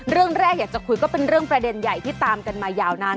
เรื่องแรกอยากจะคุยก็เป็นเรื่องประเด็นใหญ่ที่ตามกันมายาวนาน